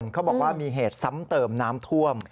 เขาบอกว่ามีเหตุซ้ำเติมน้ำท่วม